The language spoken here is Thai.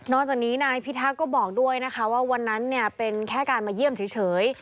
นอกจากนี้นายพี่ทักก็บอกด้วยว่าวันนั้นเป็นแค่การมาเยี่ยมเฉย